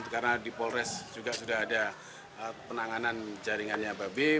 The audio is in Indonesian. karena di polres juga sudah ada penanganan jaringannya babeh